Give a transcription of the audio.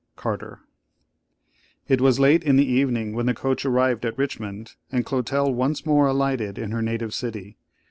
Carter. IT was late in the evening when the coach arrived at Richmond, and Clotel once more alighted in her native city.